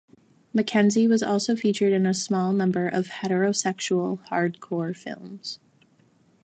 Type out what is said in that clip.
McKenzie has also featured in a small number of heterosexual hardcore films.